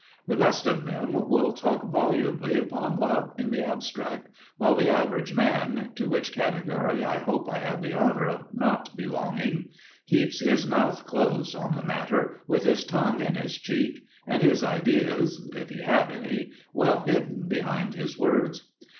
The best of them will talk volubly upon love in the abstract, while the average man (to which category I hope I have the honour of not belonging) keeps his mouth closed on the matter, with his tongue in his cheek, and his ideas, if he have any, well hidden behind his words.